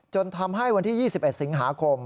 จนทำให้วันที่๒๑สิงหาคม